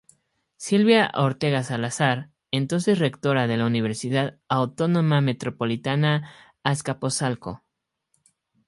Sylvia Ortega Salazar, entonces Rectora de la Universidad Autónoma Metropolitana-Azcapozalco.